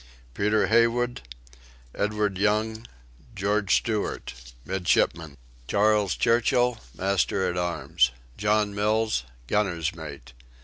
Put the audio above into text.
Peter Haywood, Edward Young, George Stewart: Midshipmen. Charles Churchill: Master at Arms. John Mills: Gunner's Mate.